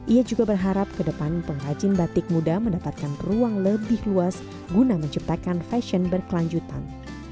ia juga berharap ke depan pengrajin batik muda mendapatkan ruang lebih luas guna menciptakan fashion berkelanjutan